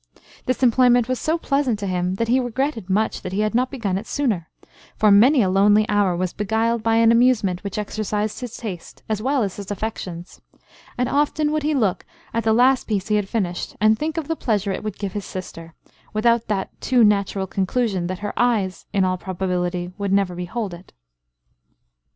This employment was so pleasant to him, that he regretted much that he had not begun it sooner, for many a lonely hour was beguiled by an amusement which exercised his taste, as well as his affections; and often would he look at the last piece he had finished, and think of the pleasure it would give his sister, without that too natural conclusion that her eyes, in all probability, would never behold it.